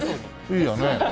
いいよね。